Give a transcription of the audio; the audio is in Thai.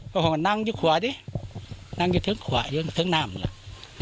โม่งนั่งอยู่ขวะดินั่งอยู่เทิงขวะอยู่เทิงหน้าเหมือนกัน